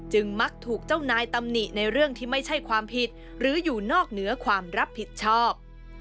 มักถูกเจ้านายตำหนิในเรื่องที่ไม่ใช่ความผิดหรืออยู่นอกเหนือความรับผิดชอบ